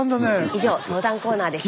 以上相談コーナーでした。